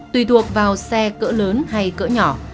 tùy thuộc vào xe cỡ lớn hay cỡ nhỏ